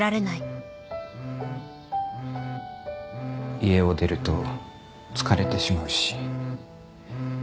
家を出ると疲れてしまうし。